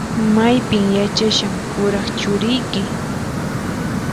Maypin yachashan kuraq churiyki?